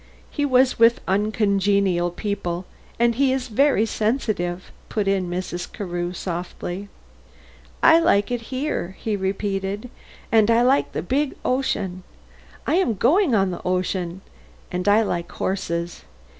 "He was with uncongenial people, and he is very sensitive," put in Mrs. Carew, softly. "I like it here," he repeated, "and I like the big ocean. I am going on the ocean. And I like horses.